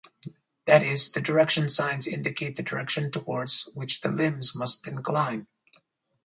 That is, "the direction signs indicate the direction towards which the limbs must incline".